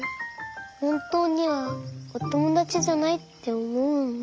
ほんとうにはおともだちじゃないっておもうんだ。